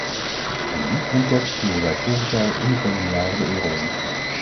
In die context voeren wij volgend jaar en de komende jaren de euro in.